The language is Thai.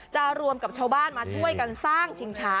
รวมกับชาวบ้านมาช่วยกันสร้างชิงช้า